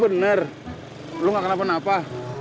bener lo gak kena penapa